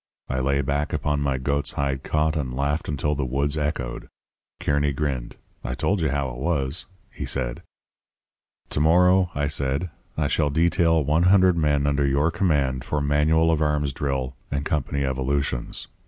I lay back upon my goat's hide cot and laughed until the woods echoed. Kearny grinned. 'I told you how it was,' he said. "'To morrow,' I said, 'I shall detail one hundred men under your command for manual of arms drill and company evolutions.